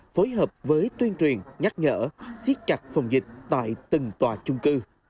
phối hợp với tuyên truyền nhắc nhở siết chặt phòng dịch tại từng tòa chung cư